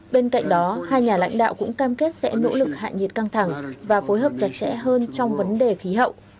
bên cạnh đó hai nhà lãnh đạo cũng cam kết sẽ nỗ lực hạ nhiệt căng thẳng và phối hợp chặt chẽ hơn trong vấn đề khí hậu